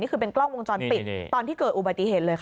นี่คือเป็นกล้องวงจรปิดตอนที่เกิดอุบัติเหตุเลยค่ะ